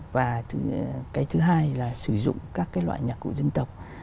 và cái thứ hai là sử dụng các cái loại nhạc cụ dân tộc